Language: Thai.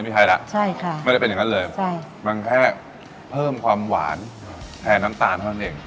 ไทยล่ะใช่ค่ะไม่ได้เป็นอย่างนั้นเลยใช่มันแค่เพิ่มความหวานแทนน้ำตาลเท่านั้นเอง